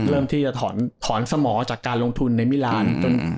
เริ่มที่จะถอนสมอจากการลงทุนในมิลาน